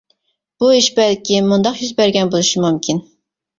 بۇ ئىش بەلكىم مۇنداق يۈز بەرگەن بولۇشى مۇمكىن.